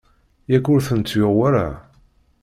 Yak ur tent-yuɣ wara?